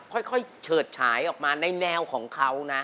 ค่อยเฉิดฉายออกมาในแนวของเขานะ